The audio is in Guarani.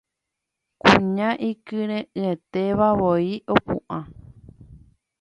Kuña ikyre'ỹetéva voi opu'ã